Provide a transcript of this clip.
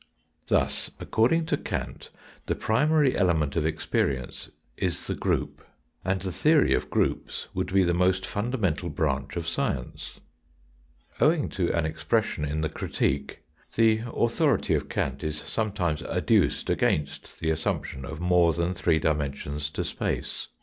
Thus, according to Kant, the primary element of ex perience is the group, and the theory of groups would be the most fundamental branch of science. Owing to an expression in the critique the authority of Kant is some times adduced against the assumption of more than three dimensions to space.